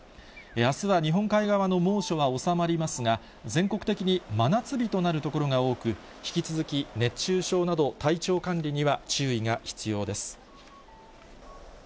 あすは日本海側の猛暑は収まりますが、全国的に真夏日となる所が多く、引き続き熱中症など体調管理には注意が必要です。